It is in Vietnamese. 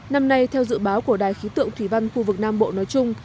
năm nay theo dự báo của đài khí tượng thủy văn khu vực nam bộ nói chung